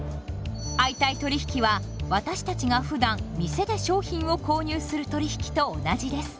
相対取引は私たちがふだん店で商品を購入する取引と同じです。